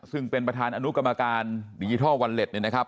ซึ่งเป็นประธานอนุกรรมการดิจิทัลวอลเล็ตเนี่ยนะครับ